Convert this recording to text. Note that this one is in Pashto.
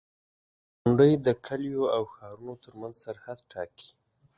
• غونډۍ د کليو او ښارونو ترمنځ سرحد ټاکي.